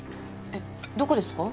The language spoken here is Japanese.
えっどこですか？